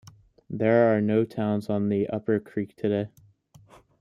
There are no towns on the upper creek today.